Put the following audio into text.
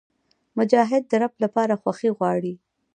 مجاهد د رب لپاره خوښي غواړي.